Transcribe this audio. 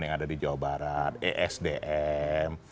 yang ada di jawa barat esdm